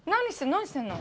何してるの？